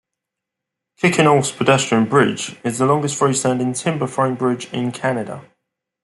Kicking Horse Pedestrian Bridge is the longest freestanding timber frame bridge in Canada.